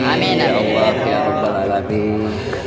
ya allah ya rabbul alamin